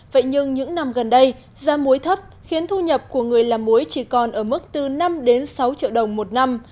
vậy nhưng những năm gần đây giá muối thấp khiến thu nhập của người làm muối chỉ còn ở mức từ năm đến sáu triệu đồng một năm